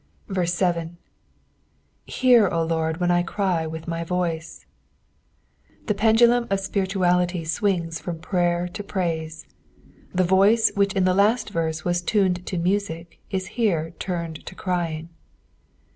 7. " Emt, 0 Lord, when I ery Kith my wU«.''—'Tbe pendulum of spirituality swings from prayer to praise. The voice which in the last verse was tuned to music is here tnmedto crying.